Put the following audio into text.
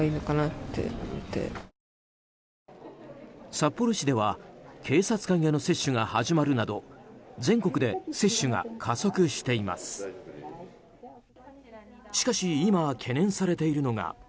札幌市では警察官への接種が始まるなど全国で接種が加速しています。